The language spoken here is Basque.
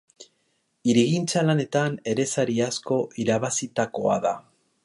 Hirigintza lanetan ere sari asko irabazitakoa da.